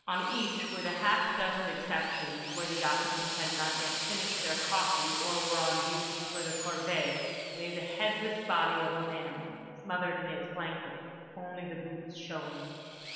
On each, with half a dozen exceptions (where the occupants had not yet finished their coffee or were on duty for the corvée) lay the headless body of a man smothered in its blanket, only the boots showing.